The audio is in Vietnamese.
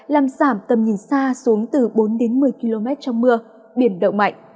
làm giảm tầm nhìn xa xuống từ bốn đến một mươi km trong mưa biển động mạnh